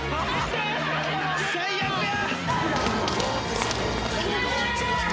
最悪や！